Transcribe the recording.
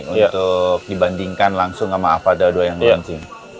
untuk dibandingkan langsung sama avata dua yang dalam sini